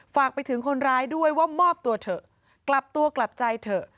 ฝากไปถึงคนร้ายด้วยว่ามอบตัวเถอะกลับตัวกลับใจเถอะ